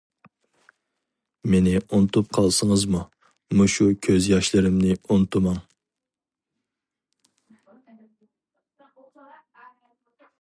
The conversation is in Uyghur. مېنى ئۇنتۇپ قالسىڭىزمۇ مۇشۇ كۆز ياشلىرىمنى ئۇنتۇماڭ.